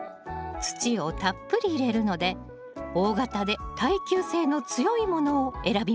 土をたっぷり入れるので大型で耐久性の強いものを選びましょう。